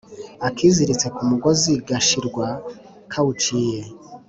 Akiziritse ku mugozi gashirwa kawuciye.